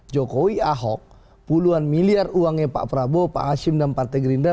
jokowi ahok puluhan miliar uangnya pak prabowo pak asim dan pak tegerinda